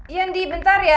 yandi bentar ya